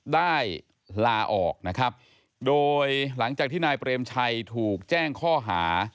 ได้ลาออกนะครับโดยหลังจากที่นายเปรมชัยถูกแจ้งข้อหา